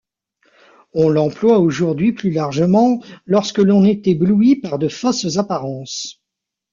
On l'emploie aujourd'hui plus largement lorsque l'on est ébloui par de fausses apparences.